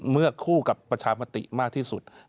เมื่อคู่กับประชามติมากที่สุด